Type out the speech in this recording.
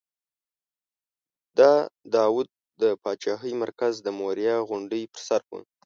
د داود د پاچاهۍ مرکز د موریا غونډۍ پر سر و.